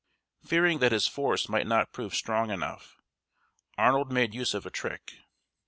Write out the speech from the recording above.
Fearing that his force might not prove strong enough, Arnold made use of a trick.